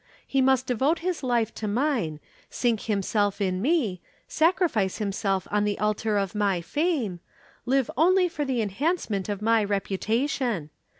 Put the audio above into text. He must devote his life to mine, sink himself in me, sacrifice himself on the altar of my fame, live only for the enhancement of my reputation.